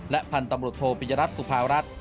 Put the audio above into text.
พันธุ์ตำรวจโทปิยรัฐสุภารัฐ